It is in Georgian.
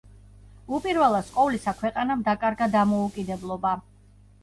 უპირველეს ყოვლისა, ქვეყანამ დაკარგა დამოუკიდებლობა.